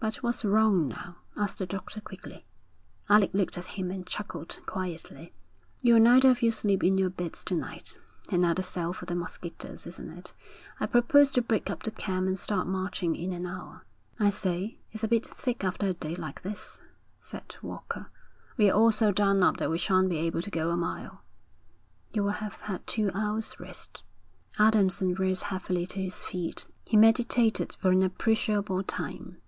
'But what's wrong now?' asked the doctor quickly. Alec looked at him and chuckled quietly. 'You'll neither of you sleep in your beds to night. Another sell for the mosquitoes, isn't it? I propose to break up the camp and start marching in an hour.' 'I say, it's a bit thick after a day like this,' said Walker. 'We're all so done up that we shan't be able to go a mile.' 'You will have had two hours rest.' Adamson rose heavily to his feet. He meditated for an appreciable time.